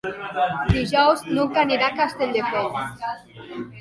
Dijous n'Hug anirà a Castelldefels.